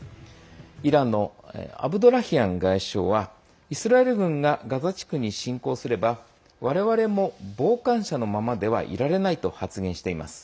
イランのアブドラヒアン外相はイスラエル軍がガザ地区に侵攻すれば我々も傍観者のままではいられないと発言しています。